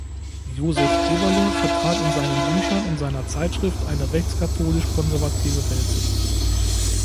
Joseph Eberle vertrat in seinen Büchern und seiner Zeitschrift eine rechtskatholisch-konservative Weltsicht.